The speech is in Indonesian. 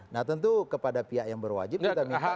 nah tentu kepada pihak yang berwajib kita minta